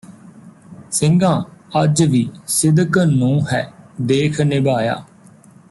ਸਿੰਘਾਂ ਅੱਜ ਵੀ ਸਿਦਕ ਨੂੰ ਹੈ ਦੇਖ ਨਿਭਾਇਆ